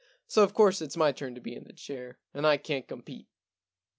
* So, of course, it's my turn to be in the chair, and I can't compete.'